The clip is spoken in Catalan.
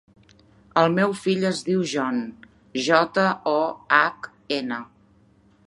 El meu fill es diu John: jota, o, hac, ena.